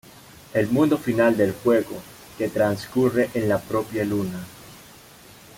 El mundo final del juego, que trascurre en la propia Luna.